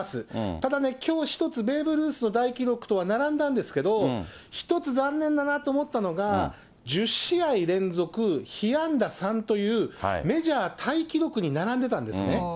ただね、きょう１つ、ベーブ・ルースの大記録とは並んだんですけれども、一つ残念だなと思ったのが、１０試合連続被安打３というメジャータイ記録に並んでたんですね。